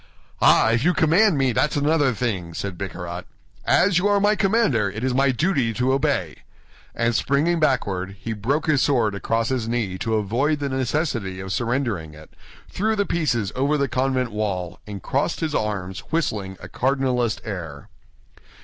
"Ah, if you command me, that's another thing," said Bicarat. "As you are my commander, it is my duty to obey." And springing backward, he broke his sword across his knee to avoid the necessity of surrendering it, threw the pieces over the convent wall, and crossed his arms, whistling a cardinalist air.